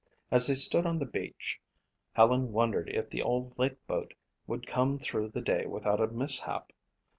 As they stood on the beach Helen wondered if the old lake boat would come through the day without a mishap.